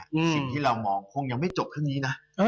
สิ่งที่เรามองคงยังไม่จบเท่านี้นะ